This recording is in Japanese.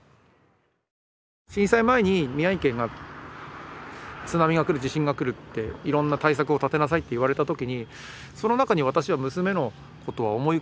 震災前に宮城県が津波が来る地震が来るっていろんな対策を立てなさいって言われた時にその中に私は娘のことは思い浮かべてなかったですもん。